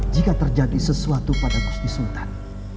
jika terjadi sesuatu pada gusti sultan